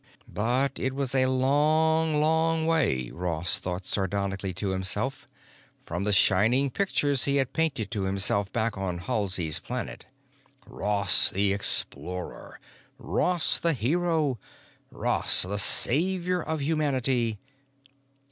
But it was a long, long way, Ross thought sardonically to himself, from the shining pictures he had painted to himself back on Halsey's Planet. Ross the explorer, Ross the hero, Ross the savior of humanity....